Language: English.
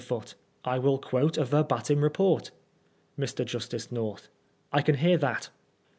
Foote : 1 will quote a verbatim report. Mr. Justice North : I can hear that.